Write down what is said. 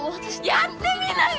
やってみなよ！